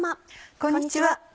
こんにちは。